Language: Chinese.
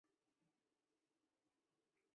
散馆授翰林院检讨。